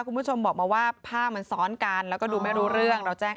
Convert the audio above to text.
คุณผู้ชมบอกมาว่าภาพมันซ้อนกันแล้วก็ดูไม่รู้เรื่องเราแจ้ง